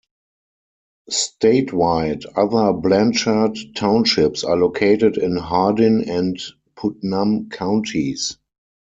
Statewide, other Blanchard Townships are located in Hardin and Putnam counties.